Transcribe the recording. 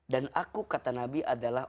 dan aku kata nabi adalah